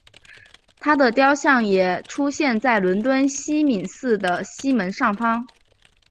她的雕像也出现在伦敦西敏寺的西门上方。